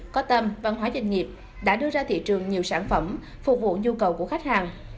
có tâm văn hóa doanh nghiệp đã đưa ra thị trường nhiều sản phẩm phục vụ nhu cầu của khách hàng